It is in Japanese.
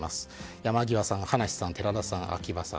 山際さん、葉梨さん寺田さん、秋葉さん